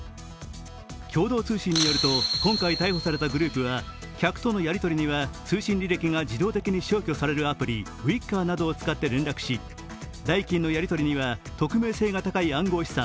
共同通信によると今回、逮捕されたグループは客とのやり取りには通信履歴が自動的に消去されるアプリ、Ｗｉｃｋｒなどを使った連絡し、代金のやり取りには匿名性が高い暗号試算